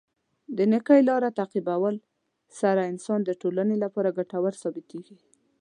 د نېکۍ لاره تعقیبولو سره انسان د ټولنې لپاره ګټور ثابت کیږي.